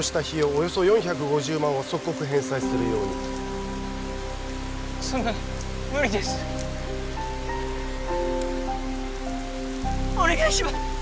およそ４５０万は即刻返済するようにそんなの無理ですお願いします